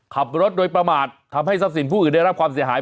ขับรถโดยประมาททำให้ทรัพย์สินผู้อื่นได้รับความเสียหาย